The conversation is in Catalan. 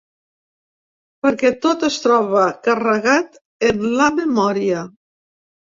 Perquè tot es troba carregat en la memòria.